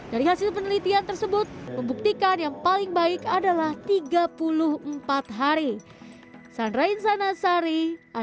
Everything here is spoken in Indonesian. dari hasil penelitian tersebut membuktikan yang paling baik adalah tiga puluh empat hari